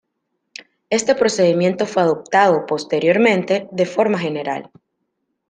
Este procedimiento fue adoptado posteriormente de forma general.